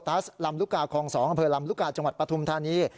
ัสลำลูกกาคลอง๒อำเภอลำลูกกาจังหวัดปฐุมธานี